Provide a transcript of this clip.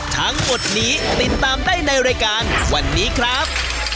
ทั้งหมดนี้ติดตามได้ในรายการวันนี้ครับ